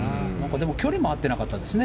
でも距離も合ってなかったですね。